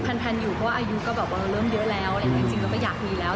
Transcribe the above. เพราะว่าอายุก็เริ่มเยอะแล้วจริงก็ไม่อยากมีแล้ว